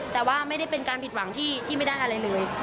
แต่ว่าไม่ได้เป็นการผิดหวังที่ไม่ได้อะไรเลย